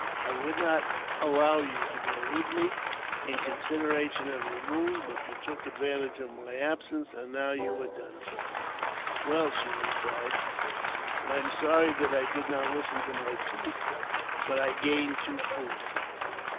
I would not allow you to go with me, in consideration of your wound ; but you took advantage of my absence, and now you are done for." "Well," she replied, " I am sorry that I did not listen to my chief ; but I gained two coos."